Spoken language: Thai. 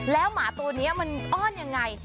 แล้วหมาตัวนี้มันอ้อนยังไง